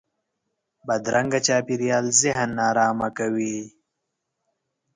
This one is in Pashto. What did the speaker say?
بدرنګه چاپېریال ذهن نارامه کوي